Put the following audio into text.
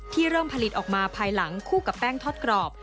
เริ่มผลิตออกมาภายหลังคู่กับแป้งทอดกรอบ